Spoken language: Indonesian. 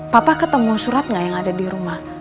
papa ketemu surat nggak yang ada di rumah